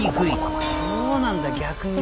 そうなんだ逆に！